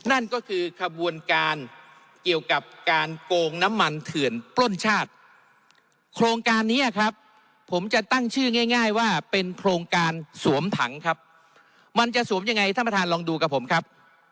อันนี้ครับผมจะตั้งชื่อง่ายว่าเป็นโครงการสวมถังครับมันจะสวมยังไงท่านประธานลองดูกับผมครับ